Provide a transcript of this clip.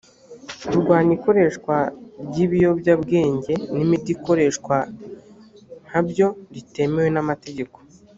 kurwanya ikoreshwa ry ibiyobyabwenge n imiti ikoreshwa nka byo ritemewe n amategeko